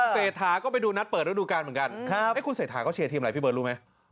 เศรษฐาก็ไปดูนัดเปิดฤดูการเหมือนกันคุณเศรษฐาเขาเชียร์ทีมอะไรพี่เบิร์ดรู้ไหม